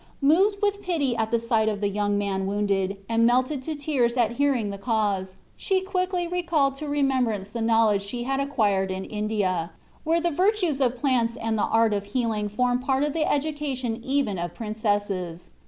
Moved with pity at the sight of the young man wounded, and melted to tears at hearing the cause, she quickly recalled to remembrance the knowledge she had acquired in India, where the virtues of plants and the art of healing formed part of the education even of princesses.